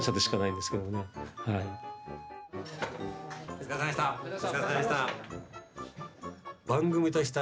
お疲れさまでした！